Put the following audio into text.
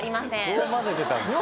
どう混ぜてたんですか？